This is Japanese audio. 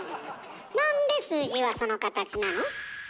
なんで数字はその形なの？